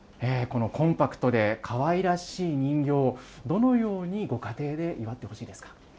このコンパクトで、かわいらしい人形、どのようにご家庭で祝ってほしいですか。